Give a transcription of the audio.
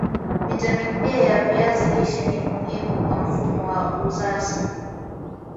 vitamini A ya viazi lishe ni muhimu kwa mfumo wa uzazi